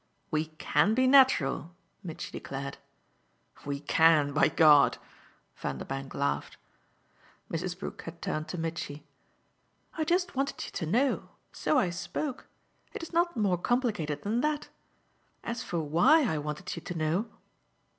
"We CAN be natural," Mitchy declared. "We can, by God!" Vanderbank laughed. Mrs. Brook had turned to Mitchy. "I just wanted you to know. So I spoke. It's not more complicated than that. As for WHY I wanted you to know